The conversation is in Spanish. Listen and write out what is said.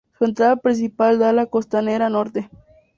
Su entrada principal da a la Costanera Norte.